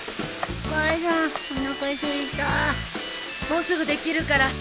もうすぐできるから。